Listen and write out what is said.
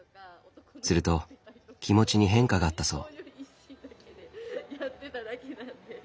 すると気持ちに変化があったそう。